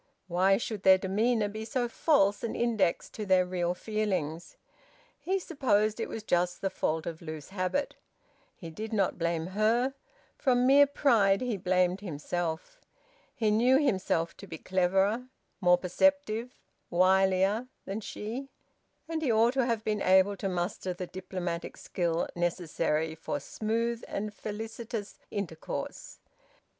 Why should their demeanour be so false an index to their real feelings? He supposed it was just the fault of loose habit. He did not blame her. From mere pride he blamed himself. He knew himself to be cleverer, more perceptive, wilier, than she; and he ought to have been able to muster the diplomatic skill necessary for smooth and felicitous intercourse.